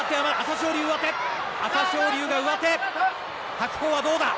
白鵬はどうだ。